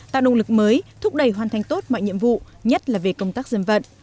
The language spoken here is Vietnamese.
tạo động lực mới thúc đẩy hoàn thành tốt mọi nhiệm vụ nhất là về công tác dân vận